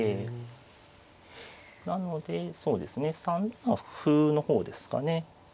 なのでそうですね３七歩の方ですかね。